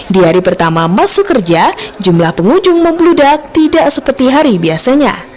di hari pertama masuk kerja jumlah pengunjung membludak tidak seperti hari biasanya